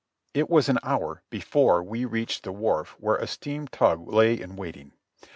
It was an hour before we reached the wharf where a steam tug lay in waiting.